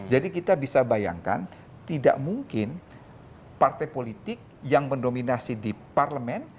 jadi kita bisa bayangkan tidak mungkin partai politik yang mendominasi di parlemen